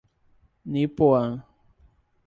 Nipoã